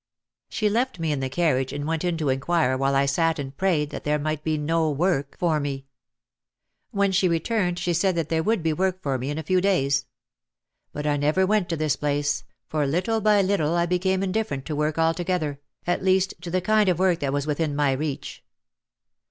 She left me in the carriage and went in to inquire while I sat and prayed that there might be no work for 258 OUT OF THE SHADOW me. When she returned she said that there would be work for me in a few days. But I never went to this place, for little by little I became indifferent to work altogether, at least to the kind of work that was within my reach.